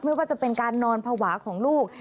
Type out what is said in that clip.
ไม่ว่าจะเป็นการนอนภาวะของลูก